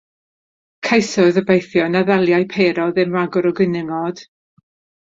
Ceisiodd obeithio na ddaliai Pero ddim rhagor o gwningod.